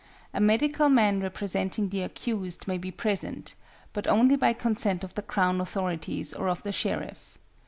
A medical man representing the accused may be present, but only by consent of the Crown authorities or of the Sheriff.